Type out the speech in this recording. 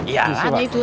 ya ini itu